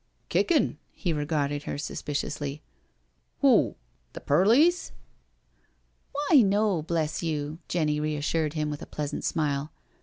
" Kickin'l " He regarded her suspiciously. " W'o? The perlice?'* " Why no, bless you," Jenny reassured him with a pleasant smile.